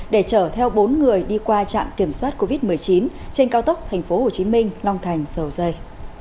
để chở theo bốn người đi qua trạm kiểm soát covid một mươi chín trên cao tốc tp hcm long thành dầu dây